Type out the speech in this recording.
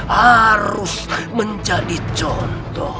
harus menjadi contoh